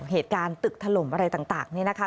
เหตุการณ์ตึกถล่มอะไรต่างนี่นะคะ